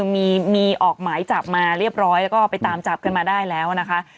มีออกหมายจับมาเรียบร้อยแล้วก็ไปตามจับกันมาได้แล้วนะคะ